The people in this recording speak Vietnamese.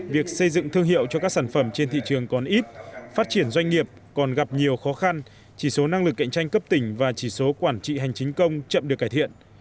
việc xây dựng thương hiệu cho các sản phẩm trên thị trường còn ít phát triển doanh nghiệp còn gặp nhiều khó khăn chỉ số năng lực cạnh tranh cấp tỉnh và chỉ số quản trị hành chính công chậm được cải thiện